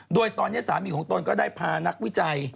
โดยตอนนี้สามีของตนก็ได้พานักวิจัย